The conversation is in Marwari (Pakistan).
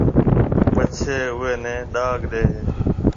پڇيَ اوئيَ نيَ ڏاگ ڏَي ھيََََ